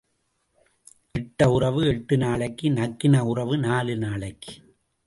இட்ட உறவு எட்டு நாளைக்கு நக்கின உறவு நாலு நாளைக்கு.